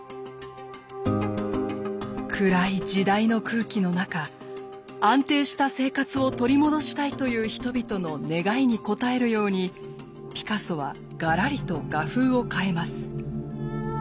暗い時代の空気の中安定した生活を取り戻したいという人々の願いに応えるようにピカソはがらりと画風を変えます。